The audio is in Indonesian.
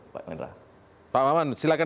pak nenra pak maman silakan